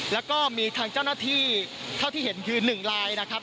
แล้วก็มีทางเจ้าหน้าที่เท่าที่เห็นคือ๑ลายนะครับ